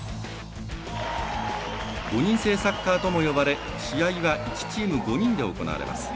５人制サッカーとも呼ばれ試合は１チーム５人で行われます。